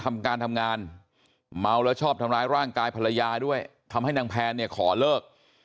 ทำการทำงานเมาแล้วชอบทำร้ายร่างกายภรรยาด้วยทำให้นางแพนเนี่ยขอเลิก